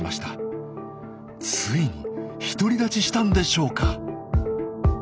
ついに独り立ちしたんでしょうか？